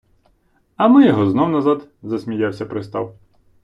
- А ми його знов назад! - засміявся пристав.